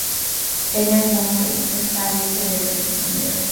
Peña del Hombre está al este de este sendero.